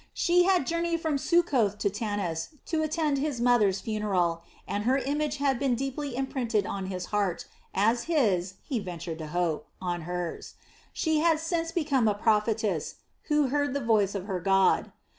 She had journeyed from Succoth to Tanis to attend his mother's funeral, and her image had been deeply imprinted on his heart, as his he ventured to hope on hers. She had since become a prophetess, who heard the voice of her God.